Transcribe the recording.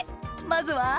まずは？